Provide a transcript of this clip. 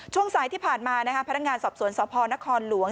ช่วงสายที่ผ่านมาพนักงานสอบสวนสพนครหลวง